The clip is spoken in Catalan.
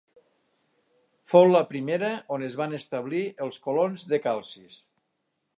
Fou la primera on es van establir els colons de Calcis.